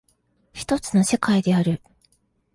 一つの世界である。